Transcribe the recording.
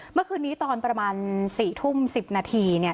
เมื่อคืนนี้ตอนประมาณ๔ทุ่ม๑๐นาทีเนี่ย